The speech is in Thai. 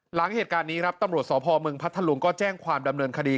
หลังเหตุการณ์นี้ครับตำรวจสพมพัทธลุงก็แจ้งความดำเนินคดี